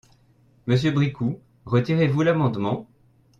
Monsieur Bricout, retirez-vous l’amendement ?